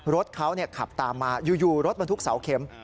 รถเขาขับตามมาอยู่รถบรรทุกเสาเข็ม